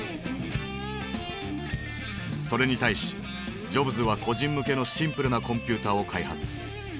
それに対しジョブズは個人向けのシンプルなコンピューターを開発。